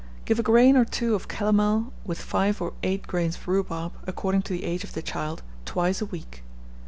Give a grain or two of calomel with 5 or 8 grains of rhubarb, according to the age of the child, twice a week.